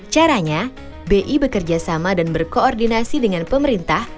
caranya bi bekerja sama dan berkoordinasi dengan pemerintah